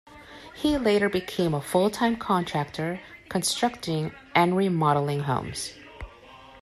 He later became a full-time contractor, constructing and remodeling homes.